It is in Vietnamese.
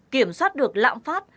kiểm soát được lãng phát